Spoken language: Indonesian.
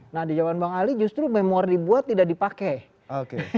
nah di zaman bang ali justru memor dibuat tidak dipakai